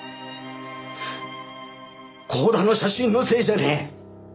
光田の写真のせいじゃねえ！